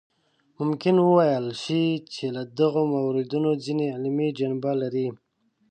ممکن وویل شي چې له دغو موردونو ځینې علمي جنبه لري.